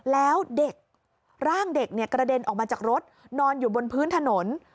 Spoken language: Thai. แล้วเด็กร่างเด็กกระเด็นออกมาจากรถนอนอยู่บนพื้นถนน